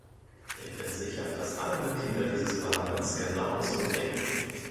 Ich bin sicher, dass alle Mitglieder dieses Parlaments genauso denken.